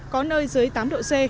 có nơi dưới tám độ c